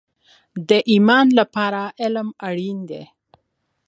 د ایمان لپاره علم اړین دی